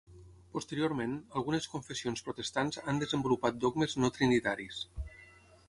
Posteriorment, algunes confessions protestants han desenvolupat dogmes no trinitaris.